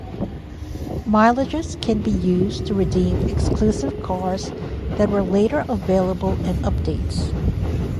Mileages can be used to redeem exclusive cars that were later available in updates.